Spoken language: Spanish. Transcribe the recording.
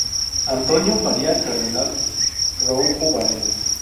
Antonio María, cardenal Rouco Varela.